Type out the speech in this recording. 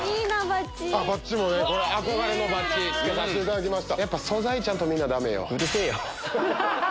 憧れのバッジ着けさせていただきました。